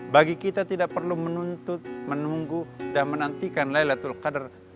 bagi kita tidak perlu menuntut menunggu dan menantikan laylatul qadar